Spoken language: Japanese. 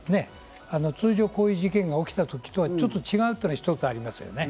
通常、こういう事件が起きた時とちょっと違うというのが一つありますね。